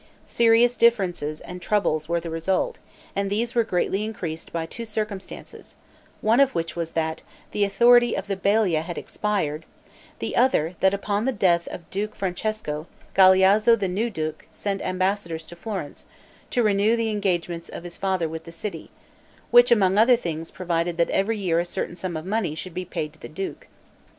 Serious differences and troubles were the result; and these were greatly increased by two circumstances: one of which was, that the authority of the balia had expired; the other, that upon the death of Duke Francesco, Galeazzo the new duke sent ambassadors to Florence, to renew the engagements of his father with the city, which, among other things, provided that every year a certain sum of money should be paid to the duke.